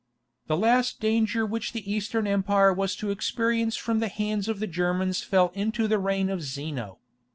The last danger which the Eastern Empire was to experience from the hands of the Germans fell into the reign of Zeno.